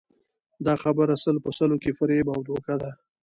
دا خبره سل په سلو کې فریب او دوکه ده